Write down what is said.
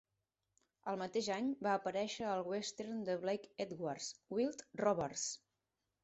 El mateix any va aparèixer al western de Blake Edwards, "Wild Rovers".